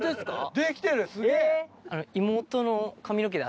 できてるすげぇ！